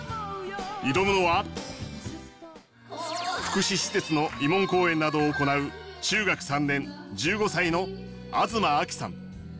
挑むのは福祉施設の慰問公演などを行う中学３年１５歳の東亜樹さん。